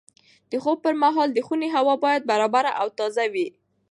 د خوب پر مهال د خونې هوا باید برابره او تازه وي.